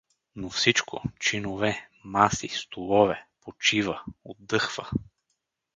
Но всичко — чинове, маси, столове — почива, отдъхва.